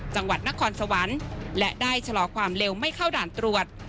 จังหวัดนครสวรรค์และได้ชะลอความเร็วไม่เข้าด่านตรวจ